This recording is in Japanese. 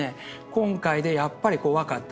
今回でやっぱり分かった。